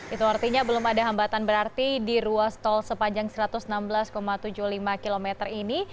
itu artinya belum ada hambatan berarti di ruas tol sepanjang satu ratus enam belas tujuh puluh lima km ini